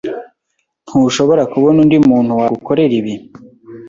Ntushobora kubona undi muntu wagukorera ibi?